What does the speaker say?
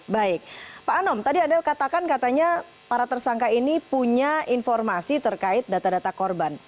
baik pak anom tadi anda katakan katanya para tersangka ini punya informasi terkait data data korban